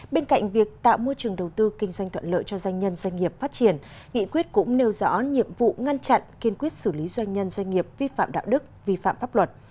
bên cạnh việc tạo môi trường đầu tư kinh doanh thuận lợi cho doanh nhân doanh nghiệp phát triển nghị quyết cũng nêu rõ nhiệm vụ ngăn chặn kiên quyết xử lý doanh nhân doanh nghiệp vi phạm đạo đức vi phạm pháp luật